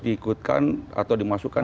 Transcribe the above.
dikutkan atau dimasukkan